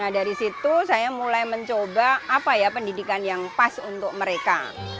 dari situ saya mulai mencoba apa ya pendidikan yang pas untuk mereka